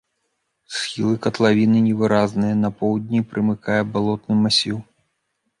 Схілы катлавіны невыразныя, на поўдні прымыкае балотны масіў.